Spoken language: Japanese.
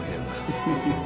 フフフフ。